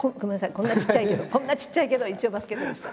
こんなちっちゃいけどこんなちっちゃいけど一応バスケットでした。